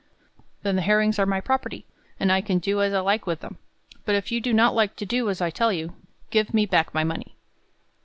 "Then the herrings are my property, and I can do as I like with them; but if you do not like to do as I tell you, give me back my money."